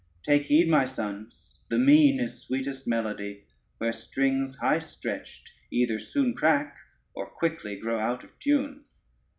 Take heed, my sons, the mean is sweetest melody; where strings high stretched, either soon crack, or quickly grow out of tune.